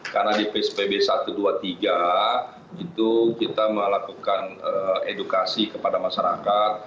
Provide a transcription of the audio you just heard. karena di psbb satu dua tiga itu kita melakukan edukasi kepada masyarakat